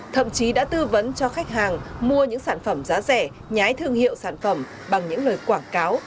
thậm chí đã tư vấn cho khách hàng mua những sản phẩm giá rẻ nhái thương hiệu sản phẩm bằng những lời quảng cáo